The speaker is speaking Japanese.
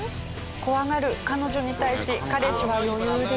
怖がる彼女に対し彼氏は余裕です。